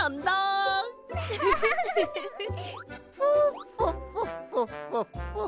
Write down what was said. フォフォッフォッフォッフォッフォッ。